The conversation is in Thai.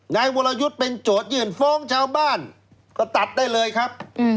นายวรยุทธ์เป็นโจทยื่นฟ้องชาวบ้านก็ตัดได้เลยครับ